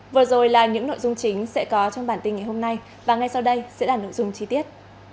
vừa rồi là những nội dung chính sẽ có trong bản tin ngày hôm nay và ngay sau đây sẽ là nội dung chi tiết